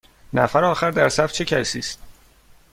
نفر آخر در صف چه کسی است؟